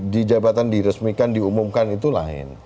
di jabatan diresmikan diumumkan itu lain